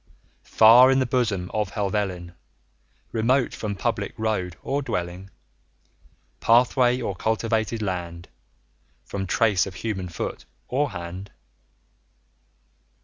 [B] 20 Far in the bosom of Helvellyn, Remote from public road or dwelling, Pathway, or cultivated land; From trace of human foot or hand.